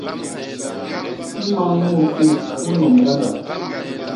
Mañ mut u u nnom ngandak.